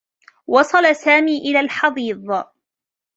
وصل سامي إلى الحضيض.